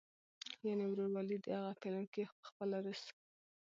يعنې "وروولي". دغه فلم کښې پخپله روس